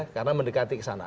karena mendekati ke sana